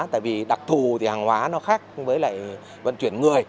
tại vì đặc thù thì hàng hóa nó khác với lại vận chuyển người